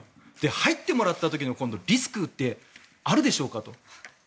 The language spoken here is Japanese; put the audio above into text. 入ってもらった時の今度、リスクってあるでしょうかと。